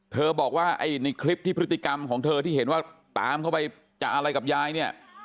บอกว่าไอ้ในคลิปที่พฤติกรรมของเธอที่เห็นว่าตามเข้าไปจะอะไรกับยายเนี่ย